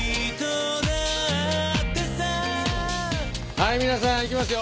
はい皆さんいきますよ。